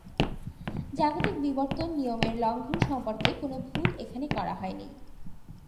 জাগতিক বিবর্তন নিয়মের লঙ্ঘন সম্পর্কে কোনো ভুল এখানে করা হয়নি।